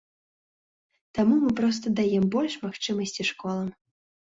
Таму мы проста даем больш магчымасці школам.